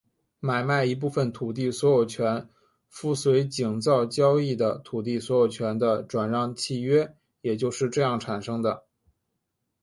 买卖一部分土地所有权附随井灶交易的土地所有权的转让契约也就是这样产生的。